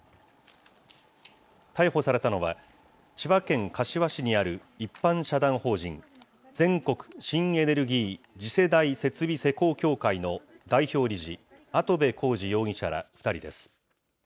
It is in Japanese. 逮捕されたのは、千葉県柏市にある一般社団法人、全国新エネルギー次世代設備施工協会の代表理事、跡部浩二容疑者ら２人です。